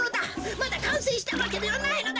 まだかんせいしたわけではないのだ！